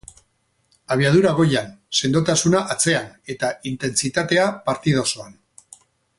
Abiadura goian, sendotasuna atzean, eta intentsitatea partida osoan.